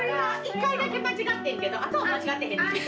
一回だけ間違ってんけどあとは間違ってへん。